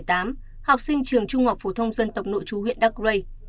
iaht sinh năm hai nghìn tám học sinh trường trung học phổ thông dân tộc nộ trú huyện đắc lây